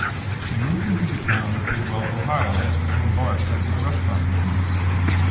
They moved into the town of Bidwell, Ohio and embarked in the restaurant business.